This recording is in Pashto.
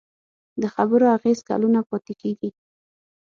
د خبرو اغېز کلونه پاتې کېږي.